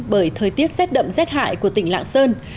bởi thời tiết rét đậm rét hại của tỉnh lạng sơn